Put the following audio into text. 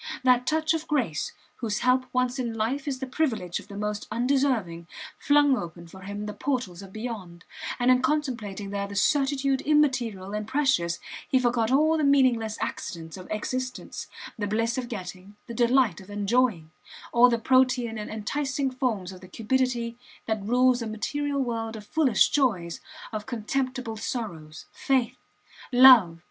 That touch of grace, whose help once in life is the privilege of the most undeserving, flung open for him the portals of beyond, and in contemplating there the certitude immaterial and precious he forgot all the meaningless accidents of existence: the bliss of getting, the delight of enjoying; all the protean and enticing forms of the cupidity that rules a material world of foolish joys, of contemptible sorrows. Faith! Love!